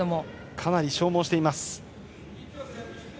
かなり消耗しています。